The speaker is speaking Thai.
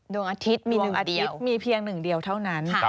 ดวงอาทิตย์มีเพียงหนึ่งเดียวเท่านั้น